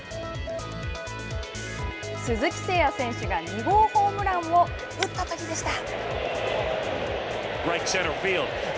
鈴木誠也選手が２号ホームランを打ったときでした。